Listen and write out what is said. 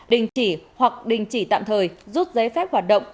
đình chỉ hoặc đình chỉ tạm thời rút giấy phép hoạt động